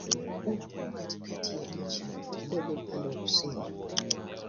Upo katikati ya nchi, kidogo upande wa kusini.